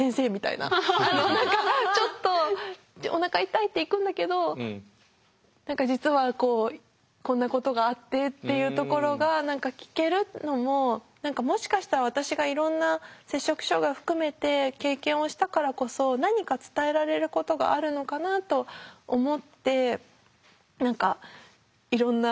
あの何かちょっとおなか痛いって行くんだけど実はこうこんなことがあってっていうところが聞けるのももしかしたら私がいろんな摂食障害を含めて経験をしたからこそ何か伝えられることがあるのかなと思っていろんなお話をするようにしています。